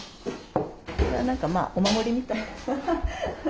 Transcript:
何かまあお守りみたいな。